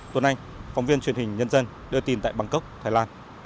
tuấn anh phóng viên truyền hình nhân dân đưa tin tại bangkok thái lan